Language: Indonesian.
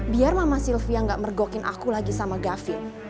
biar mama sylvia gak mergokin aku lagi sama gavin